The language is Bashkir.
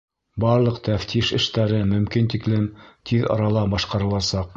Барлыҡ тәфтиш эштәре мөмкин тиклем тиҙ арала башҡарыласаҡ.